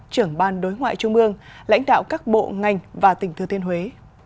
trưởng ban đối ngoại trung mương lãnh đạo các bộ ngành và tỉnh thừa thiên huế